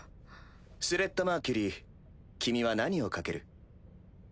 スレッタ・マーキュリー君は何を賭ける？